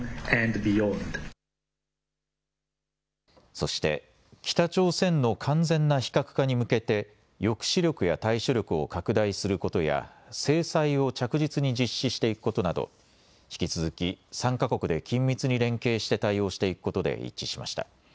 そして北朝鮮の完全な非核化に向けて抑止力や対処力を拡大することや制裁を着実に実施していくことなど引き続き３か国で緊密に連携して対応していくことで一致しました。